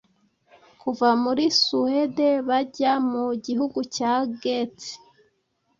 kuva muri Suwede Bajya mu gihugu cya Geats